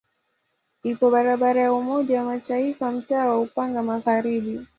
Ipo barabara ya Umoja wa Mataifa mtaa wa Upanga Magharibi.